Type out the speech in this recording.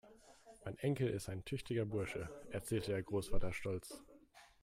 "Mein Enkel ist ein tüchtiger Bursche", erzählte der Großvater stolz.